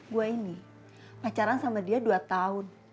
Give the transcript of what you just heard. gue ini pacaran sama dia dua tahun